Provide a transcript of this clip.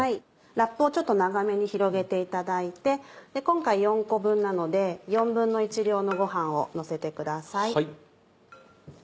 ラップを長めに広げていただいて今回４個分なので１／４量のご飯をのせてください。